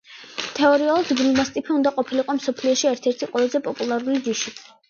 თეორიულად ბულმასტიფი უნდა ყოფილიყო მსოფლიოში ერთ-ერთი ყველაზე პოპულარული ჯიში.